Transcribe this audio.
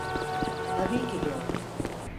Tabii ki doğru.